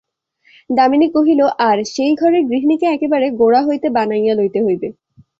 দামিনী কহিল, আর, সেই ঘরের গৃহিণীকে একেবারে গোড়া হইতে বানাইয়া লইতে হইবে।